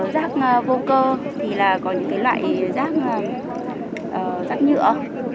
rác vô cơ thì là có những loại rác nhựa